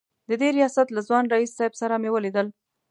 د دې ریاست له ځوان رییس صیب سره مې ولیدل.